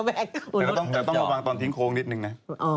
แต่เราต้องมาฟังตอนทิ้งโครงนิดนึงนะ